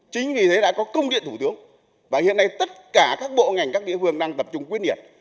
chính vì thế đã có công điện thủ tướng và hiện nay tất cả các bộ ngành các địa phương đang tập trung quyết liệt